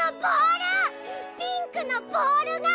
ピンクのボール！